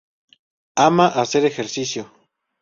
Ama hacer ejercicio.